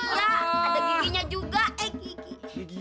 ada giginya juga eh gigi